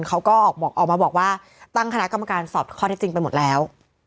เขาก็ออกมาบอกว่าตั้งคณะกรรมการสอบข้อเท็จจริงไปหมดแล้ว